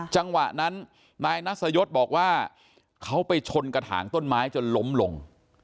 จังหวะนั้นนายนัสยศบอกว่าเขาไปชนกระถางต้นไม้จนล้มลง